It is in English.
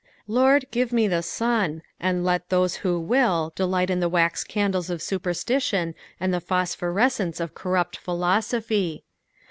Lord, give me the sun, and let those who will delight in the wax candles of supcTBtition and the phosphorescence of corrupt philosophy.